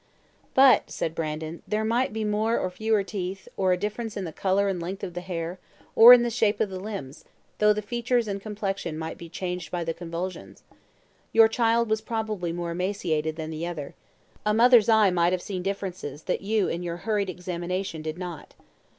"But," said Brandon, "there might be more or fewer teeth, or a difference in the colour and length of the hair, or in the shape of the limbs, though the features and complexion might be changed by the convulsions. Your child was probably more emaciated than the other. A mother's eye might have seen differences that you in your hurried examination did not."